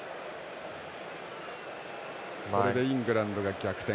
これでイングランドが逆転。